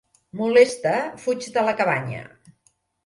Molesta, fuig de la cabanya.